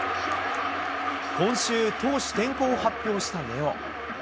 今週、投手転向を発表した根尾。